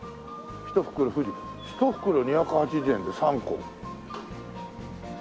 １袋２８０円で３個。